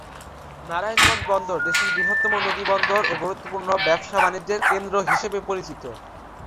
নারায়ণগঞ্জ বন্দর দেশের বৃহত্তম নদীবন্দর ও গুরুত্বপূর্ণ ব্যবসা-বাণিজ্য কেন্দ্র হিসেবে পরিচিত।